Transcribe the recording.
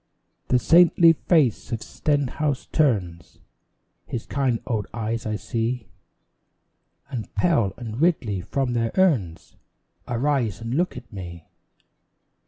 The saintly face of Stenhouse turns His kind old eyes I see; And Pell and Ridley from their urns Arise and look at me.